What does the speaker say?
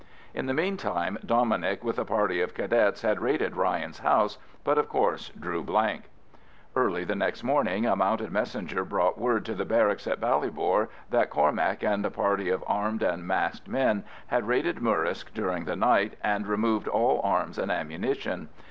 In the meantime Dominic with a party of Cadets had raided Ryan's house, but, of course, drew blank. Early the next morning a mounted messenger brought word to the barracks in Ballybor that Cormac and a party of armed and masked men had raided Murrisk during the night and removed all arms and ammunition.